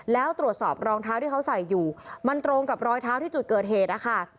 แล้วตรวจสอบรองเท้าที่เขาใส่อยู่มันตรงกับรอยเท้าที่จุดเกิดเหตุนะคะ